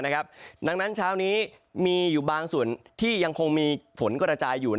ดังนั้นเช้านี้มีอยู่บางส่วนที่ยังคงมีฝนกระจายอยู่